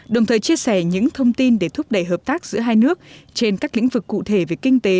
đồng thời chia sẻ những thông tin để thúc đẩy hợp tác giữa hai nước trên các lĩnh vực cụ thể về kinh tế